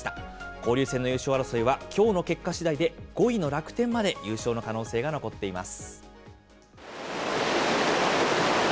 交流戦の優勝争いは、きょうの結果しだいで、５位の楽天まで優勝の可能性が残っています。